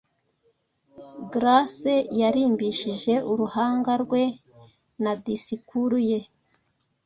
Grace yarimbishije uruhanga rwe na disikuru ye